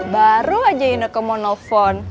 baru aja ineko mau nelfon